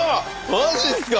マジっすか？